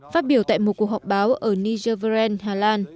phát biểu tại một cuộc họp báo ở nigeren hà lan